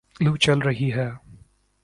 لوُ چل رہی ہے